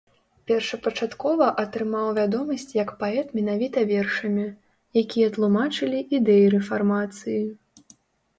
Першапачаткова атрымаў вядомасць як паэт менавіта вершамі, якія тлумачылі ідэі рэфармацыі.